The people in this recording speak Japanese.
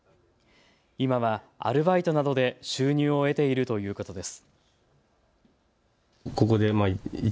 今はアルバイトなどで収入を得ているということです。